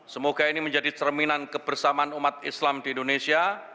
semoga ini menjadi cerminan kebersamaan umat islam di indonesia